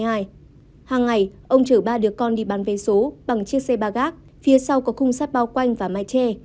hàng ngày ông chở ba đứa con đi bán vé số bằng chiếc xe ba gác phía sau có khung sát bao quanh và mái tre